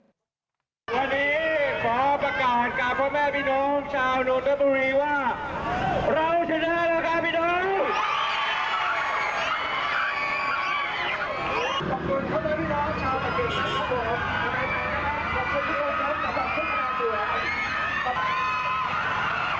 ขอบคุณท่านพี่น้องชาวประกิษนะครับผมขอบคุณทุกคนนะครับขอบคุณท่านพี่น้องชาวประกิษนะครับผม